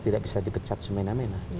tidak bisa dipecat semena mena